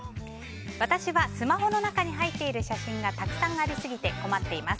私はスマホの中に入っている写真がたくさんありすぎて困っています。